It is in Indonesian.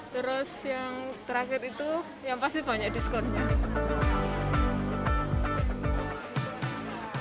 terus yang terakhir itu yang pasti banyak diskonnya